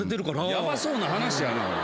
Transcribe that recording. ヤバそうな話やな。